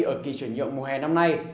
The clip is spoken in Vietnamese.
ở kỳ chuyển nhượng mùa hè năm nay